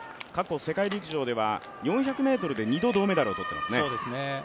過去世界陸上では４００ｍで２度、銅メダルを取っていますね。